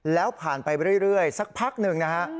แล้วผ่านไปเรื่อยสักพักหนึ่งนะฮะ